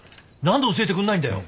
何で教えてくんないんだよ？